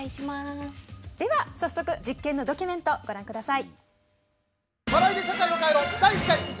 では早速実験のドキュメントご覧下さい。